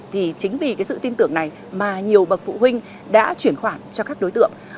thì chính vì sự tin tưởng này mà nhiều bậc phụ huynh đã chuyển khoản cho các đối tượng